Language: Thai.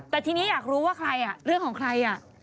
แต่ทีนี้อยากรู้ว่าใครเรื่องของใคร